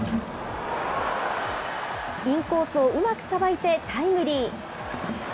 インコースをうまくさばいてタイムリー。